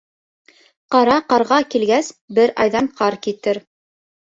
Ҡара ҡарға килгәс, бер айҙан ҡар китер.